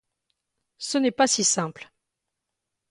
Ce n'est pas si simple.